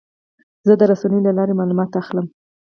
زه د رسنیو له لارې معلومات اخلم.